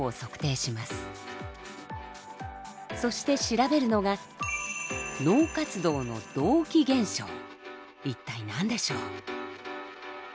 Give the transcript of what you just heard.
そして調べるのが一体何でしょう？